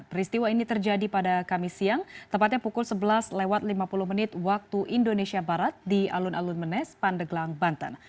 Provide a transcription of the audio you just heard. peristiwa ini terjadi pada kamis siang tepatnya pukul sebelas lewat lima puluh menit waktu indonesia barat di alun alun menes pandeglang banten